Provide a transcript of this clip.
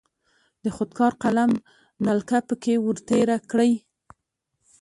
د خودکار قلم نلکه پکې ور تیره کړئ.